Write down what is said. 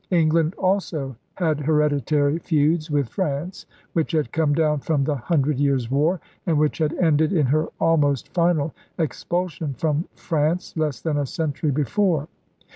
England also had hereditary feuds with France, which had come down from the Hundred Years' War, and which had ended in her almost final expulsion from France less than a century before.